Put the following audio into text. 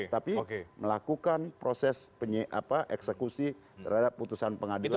tapi melakukan proses eksekusi terhadap putusan pengadilan